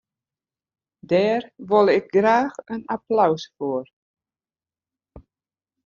Dêr wol ik ek graach in applaus foar.